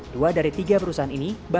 dua dari tiga perusahaan berlabel pt tersebut